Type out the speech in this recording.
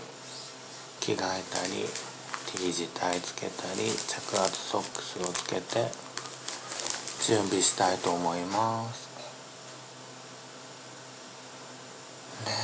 着替えたりＴ字帯つけたり着圧ソックスをつけて準備したいと思いますねえ